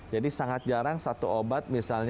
jadi sangat jarang satu obat misalnya